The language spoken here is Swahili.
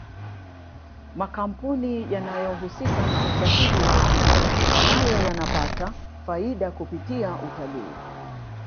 makampuni yanayohusika na usafiri wa anga nayo yanapata faida kupitia utalii